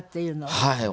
はい。